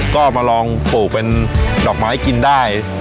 ก็มาลองปลูกเป็นดอกไม้กินได้